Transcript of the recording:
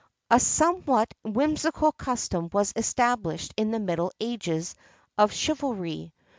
A somewhat whimsical custom was established in the middle ages of chivalry.